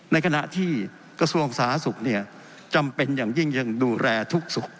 ในขณะที่กระทรวงสาหนะศุกร์เนี้ยจำเป็นอย่างยิ่งยังดูแลทุกศุกร์